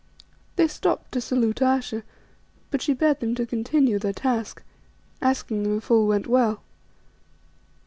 They stopped to salute Ayesha, but she bade them to continue their task, asking them if all went well.